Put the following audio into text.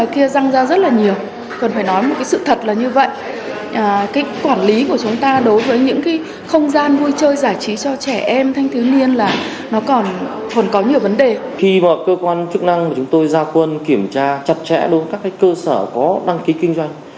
khi mà cơ quan chức năng mà chúng tôi ra quân kiểm tra chặt chẽ đối với các cơ sở có đăng ký kinh doanh